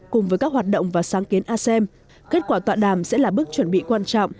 cùng với các hoạt động và sáng kiến asem kết quả tọa đàm sẽ là bước chuẩn bị quan trọng